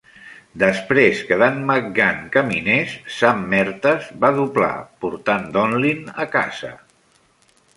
Després que Dan McGann caminés, Sam Mertes va doblar, portant Donlin a casa.